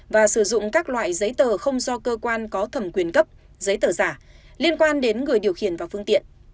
và sử dụng các loại giấy tờ không do cơ quan có thẩm quyền cấp giấy tờ giả liên quan đến người điều khiển và phương tiện